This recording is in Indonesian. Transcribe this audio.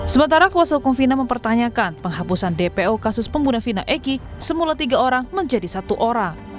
sementara kuasa hukum fina mempertanyakan penghapusan dpo kasus pengguna fina egy semula tiga orang menjadi satu orang